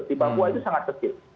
di papua itu sangat kecil